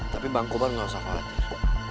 tapi bang kobar gak usah khawatir